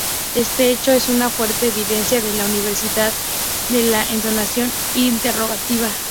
Este hecho es una fuerte evidencia de la universalidad de la entonación interrogativa.